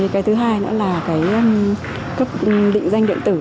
cái thứ hai nữa là cái cấp định danh điện tử